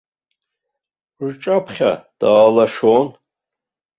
Рҿаԥхьа даалашон.